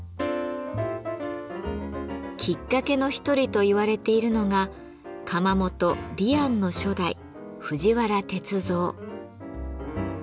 きっかけの一人と言われているのが窯元・狸庵の初代藤原銕造。